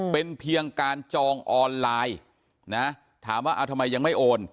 เป็นเพียงการจองออนไลน์นะถามว่าเอาทำไมยังไม่โอน